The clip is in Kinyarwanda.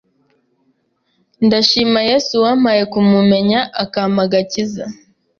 Ndashima Yesu wampaye kumumenya, akamapa agakiza,